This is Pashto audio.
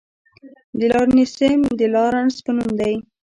د لارنسیم د لارنس په نوم دی.